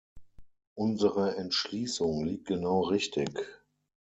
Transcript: Unsere Entschließung liegt genau richtig.